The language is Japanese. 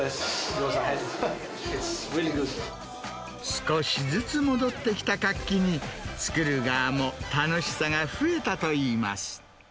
少しずつ戻ってきた活気に、作る側も楽しさが増えたといいます。